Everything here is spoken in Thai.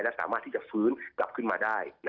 และสามารถที่จะฟื้นกลับขึ้นมาได้